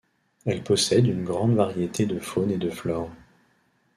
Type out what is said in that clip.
Elle possède une grande variété de faune et de flore.